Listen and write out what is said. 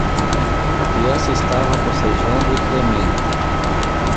A criança estava bocejando e tremendo.